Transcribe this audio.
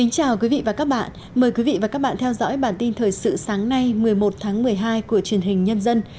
chào mừng quý vị đến với bản tin thời sự sáng nay một mươi một tháng một mươi hai của truyền hình nhân dân